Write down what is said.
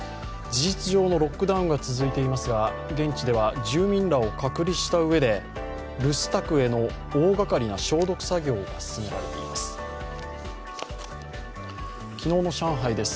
事実上のロックダウンが続いていますが、現地では住民らを隔離したうえで留守宅への大がかりな消毒作業が進められています。